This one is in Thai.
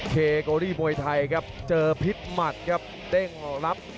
เคโกรีมวยไทยครับเจอพลิกหมัดครับ